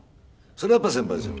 それはやっぱり先輩ですよ。